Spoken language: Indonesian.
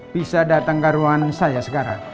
bisa datang ke ruangan saya sekarang